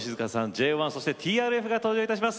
ＪＯ１そしてＴＲＦが登場いたします。